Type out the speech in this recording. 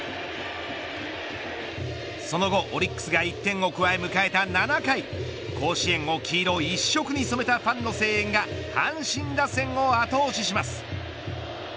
その後オリックスが１点を加え迎えた７回甲子園を黄色一色に染めたファンの声援が阪神打線を後押しします。